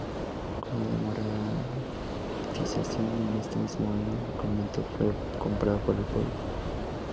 Con la desamortización, en ese mismo año el convento fue comprado por el pueblo.